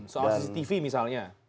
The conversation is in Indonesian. soal cctv misalnya